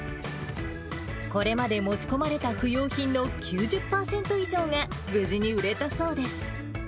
これまで持ち込まれた不用品の９０％以上が無事に売れたそうです。